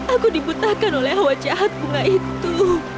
aku dibutahkan oleh hawa jahat bunga itu